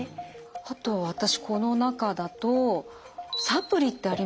あと私この中だと「サプリ」ってありますよね。